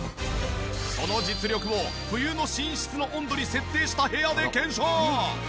その実力を冬の寝室の温度に設定した部屋で検証！